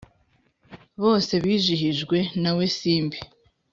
bose bijihijwe nawe simbi